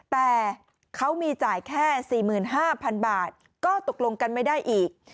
แต่เขามีจ่ายแค่๔๕๐๐๐บาทก็ตกลงกันไม่ได้อีก